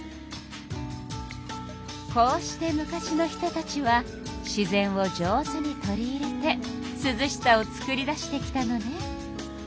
こうして昔の人たちは自然を上手に取り入れてすずしさをつくり出してきたのね。